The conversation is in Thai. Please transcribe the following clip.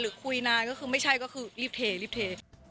คุยนานก็คือไม่ใช่ก็คือรีบเทรีบเท